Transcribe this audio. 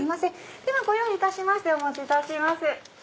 ではご用意いたしましてお持ちいたします。